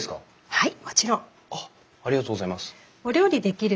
はい。